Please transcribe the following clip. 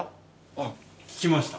あっ聞きました。